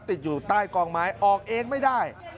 ติดอยู่ใต้กองไม้ออกเองไม่ได้